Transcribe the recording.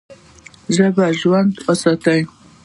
ژبه ژوندۍ وساتئ!